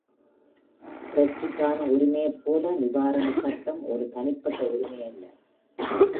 புரட்சிக்கான உரிமையைப் போல நிவாரண சட்டம் ஒரு தனிப்பட்ட உரிமை அல்ல.